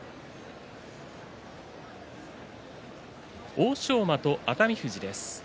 欧勝馬と熱海富士です。